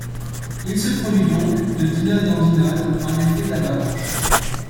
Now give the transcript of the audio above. Il se produit donc, de dynode en dynode, un effet d'avalanche.